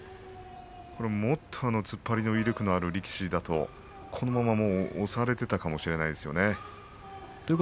もっと突っ張りの威力がある力士だと押されていたかもしれません。